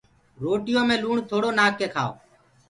روٽيو مي لوڻ ٿوڙو نآکڪي کآئو